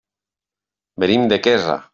Venim de Quesa.